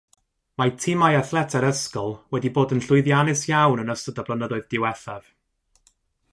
Mae timau athletau'r ysgol wedi bod yn llwyddiannus iawn yn ystod y blynyddoedd diwethaf.